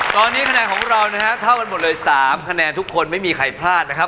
ตอนนี้คะแนนของเรานะฮะเท่ากันหมดเลย๓คะแนนทุกคนไม่มีใครพลาดนะครับ